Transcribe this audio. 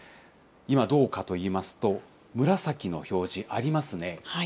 今どうかといいますと、紫の表示ありますね。